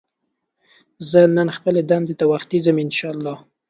زه نن خپلې دندې ته وختي ځم ان شاءالله